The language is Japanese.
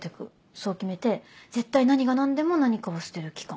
そう決めて絶対何が何でも何かを捨てる期間。